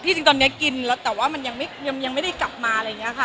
จริงตอนนี้กินแล้วแต่ว่ามันยังไม่ได้กลับมาอะไรอย่างนี้ค่ะ